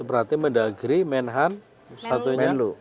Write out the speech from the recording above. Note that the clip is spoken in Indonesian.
itu berarti medagri menhan satu menlu